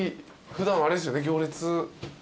普段あれですよね行列。